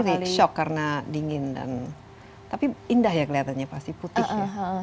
ini shock karena dingin dan tapi indah ya kelihatannya pasti putih ya